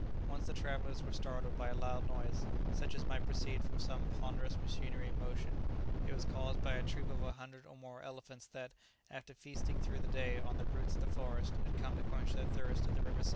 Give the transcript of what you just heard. Once the travellers were startled by a loud noise, such as might proceed from some ponderous machinery in motion: it was caused by a troop of a hundred or more elephants that, after feasting through the day on the roots of the forest, had come to quench their thirst at the river side.